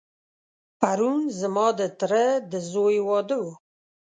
پرون ځما دتره دځوی واده و.